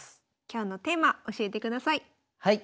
今日のテーマ教えてください。